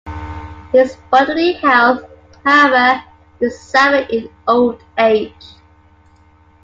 His bodily health, however, did suffer in old age.